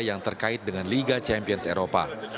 yang terkait dengan liga champions eropa